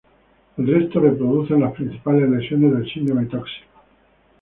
El resto reproducen las principales lesiones del síndrome tóxico.